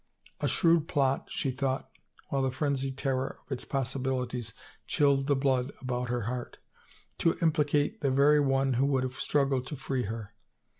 A shrewd plot she thought, while the frenzied terror of its possibilities chilled the blood about her heart — to implicate the very one who would have struggled to free her!